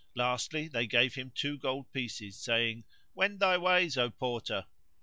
Lastly they gave him two gold pieces, saying, "Wend thy ways, O Porter."